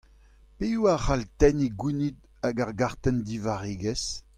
Piv a cʼhall tenniñ gounid ag ar gartenn divarregezh ?